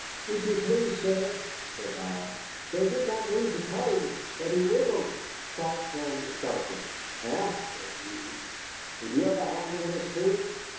"If you please, sir," said I, "they did not mean to cut him, but he wriggled." Clark turned sharply. "Eh?" said he, "did you have a hand in this, too?"